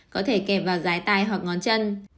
có thể kẹp vào giái tai hoặc ngón chân